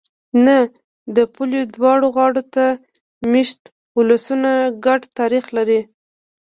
نه! د پولې دواړو غاړو ته مېشت ولسونه ګډ تاریخ لري.